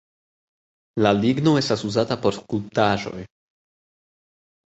La ligno estas uzata por skulptaĵoj.